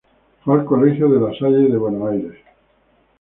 Fue al colegio La Salle de Buenos Aires.